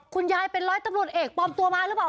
ยายเป็นร้อยตำรวจเอกปลอมตัวมาหรือเปล่า